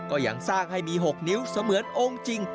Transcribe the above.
ก็ยังสร้างให้มี๖นิ้วเสมือนองค์จริง